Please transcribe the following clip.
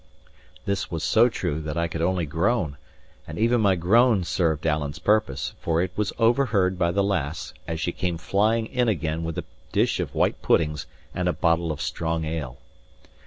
This was so true that I could only groan; and even my groan served Alan's purpose, for it was overheard by the lass as she came flying in again with a dish of white puddings and a bottle of strong ale.